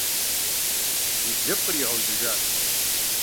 И блыпкъыр игъэузыжащ.